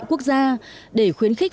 quốc gia để khuyến khích